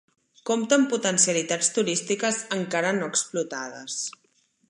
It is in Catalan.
Compta amb potencialitats turístiques encara no explotades.